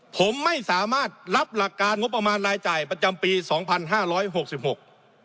ผมไม่สามารถรับหลักการงบประมาณรายจ่ายประจำปีสองพันห้าร้อยหกสิบหก